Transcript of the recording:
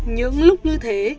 những lúc như thế